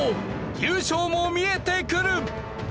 優勝も見えてくる。